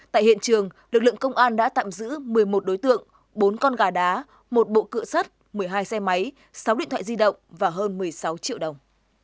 tại hiện trường lực lượng công an đã tạm giữ một mươi một đối tượng bốn con gà đá một bộ cựa sắt một mươi hai xe máy sáu điện thoại di động và hơn một mươi sáu triệu đồng